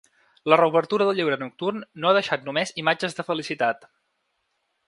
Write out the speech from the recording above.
La reobertura del lleure nocturn no ha deixat només imatges de felicitat.